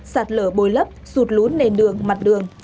sạt lở bồi lấp rụt lũ nền đường mặt đường